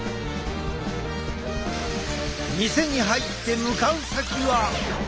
店に入って向かう先は。